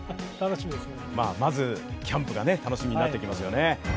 まずキャンプが楽しみになってきますよね。